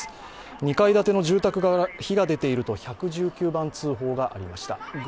２階建ての住宅から火が出ていると１１９番通報がありました。